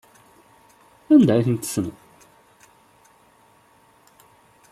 Anda ay tent-tessneḍ?